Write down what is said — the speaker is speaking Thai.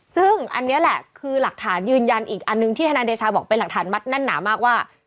ซึ่งอันนี้แหละคือหลักฐานยืนยันอีกอันหนึ่งที่ทนายเดชาบอกเป็นหลักฐานมัดแน่นหนามากว่า